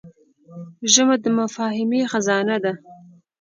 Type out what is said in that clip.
ژبه د مفاهمې خزانه ده